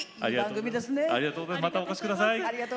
またお越しください。